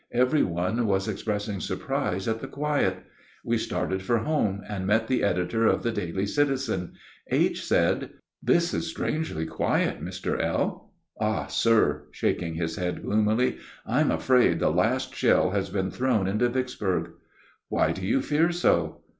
Every one was expressing surprise at the quiet. We started for home and met the editor of the "Daily Citizen." H. said: "This is strangely quiet, Mr. L." "Ah, sir," shaking his head gloomily, "I'm afraid (?) the last shell has been thrown into Vicksburg." "Why do you fear so?"